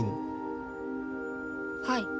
はい。